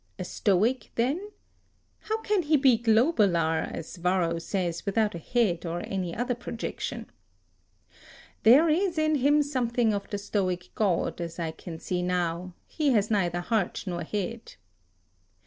A Stoic, then? How can he be globular, as Varro says, without a head or any other projection? There is in him something of the Stoic god, as I can see now: he has neither heart nor head.